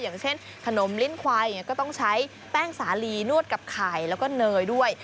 อย่างเช่นขนมลิ้นควายก็ต้องใช้แป้งสาลีนวดกับไข่แล้วก็เนยด้วย